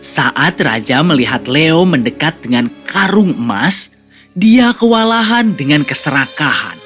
saat raja melihat leo mendekat dengan karung emas dia kewalahan dengan keserakahan